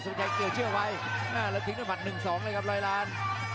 สุประชัยเกี่ยวเชื่อไวอ่าแล้วถึงด้วยหมันหนึ่งสองเลยครับร้อยร้าน